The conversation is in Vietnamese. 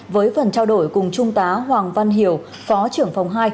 với phần trao đổi cùng trung tá hoàng văn hiểu phó trưởng phòng hai